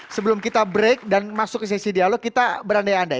sebelum kita break dan masuk ke sesi dialog kita berandai andai